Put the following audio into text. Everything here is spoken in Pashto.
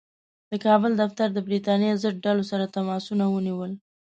د کابل دفتر د برټانیې ضد ډلو سره تماسونه ونیول.